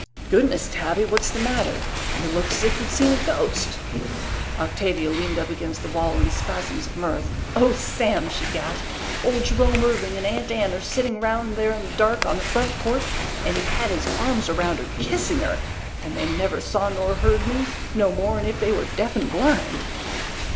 "Goodness, Tavy, what's the matter? Y' look 'sif y'd seen a ghost." Octavia leaned up against the wall in spasms of mirth. "Oh, Sam," she gasped, "old Jerome Irving and Aunt Anne are sitting round there in the dark on the front porch and he had his arms around her, kissing her! And they never saw nor heard me, no more'n if they were deaf and blind!"